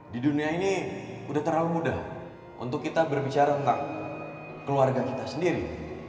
di dunia ini udah terlalu mudah untuk kita berbicara tentang keluarga kita sendiri